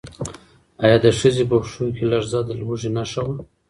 ایا د ښځې په پښو کې لړزه د لوږې نښه وه؟